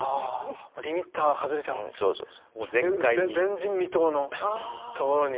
前人未到のところに。